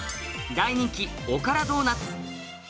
大人気おからドーナツ。